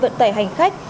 vận tải hành khách